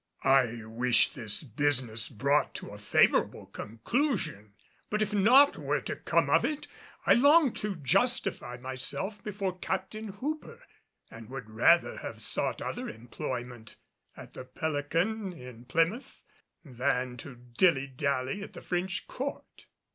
I wished this business brought to a favorable conclusion, but if naught were to come of it, I longed to justify myself before Captain Hooper and would rather have sought other employment at the Pelican in Plymouth than to dilly dally at the French Court.